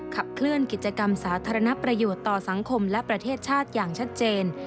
ขับเคลื่อนกิจกรรมสาธารณประโยชน์ต่อสังคมและประเทศชาติอย่างชัดเจน